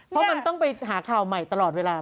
เพราะมันต้องไปหาข่าวใหม่ตลอดเวลา